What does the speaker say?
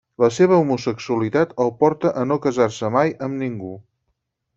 La seva homosexualitat el porta a no casar-se mai amb ningú.